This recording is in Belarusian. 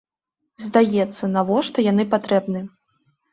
Здаецца, навошта яны патрэбны?